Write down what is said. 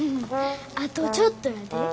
あとちょっとやで。